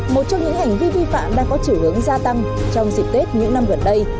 một trong những hành vi vi phạm đang có chiều hướng gia tăng trong dịp tết những năm gần đây